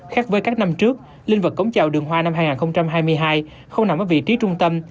khác với các năm trước linh vật cống chào đường hoa năm hai nghìn hai mươi hai không nằm ở vị trí trung tâm